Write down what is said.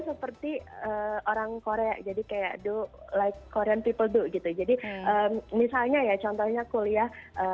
seperti orang korea jadi kayak do like korean people do gitu jadi misalnya ya contohnya kuliah